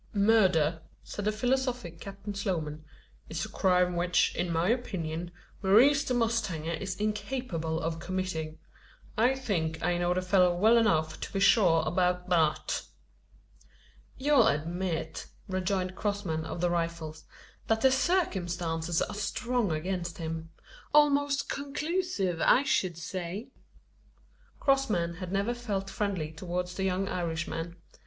"Murder," said the philosophic Captain Sloman, "is a crime which, in my opinion, Maurice the mustanger is incapable of committing. I think, I know the fellow well enough to be sure about that." "You'll admit," rejoined Crossman, of the Rifles, "that the circumstances are strong against him? Almost conclusive, I should say." Crossman had never felt friendly towards the young Irishman.